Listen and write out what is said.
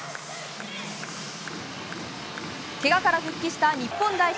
けがから復帰した日本代表